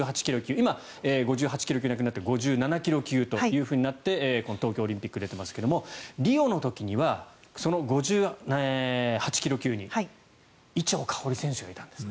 今は５８ｋｇ級がなくなって５７ｋｇ級となってこの東京オリンピックに出ていますがリオの時には、その５８ｋｇ級に伊調馨選手がいたんですね。